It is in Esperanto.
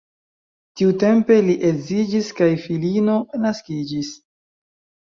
Tiutempe li edziĝis kaj filino naskiĝis.